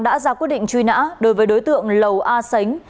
đã ra quyết định truy nã đối với đối tượng lầu a sánh